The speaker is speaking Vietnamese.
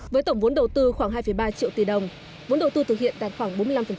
với tổng vốn đầu tư khoảng hai ba triệu tỷ đồng vốn đầu tư thực hiện đạt khoảng bốn mươi năm